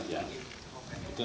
itu yang bisa disampaikan